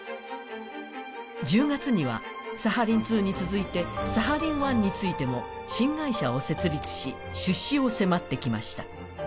１０月にはサハリン２に続いて、サハリン１についても新会社を設立し出資を迫ってきました。